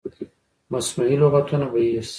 مصنوعي لغتونه به هیر شي.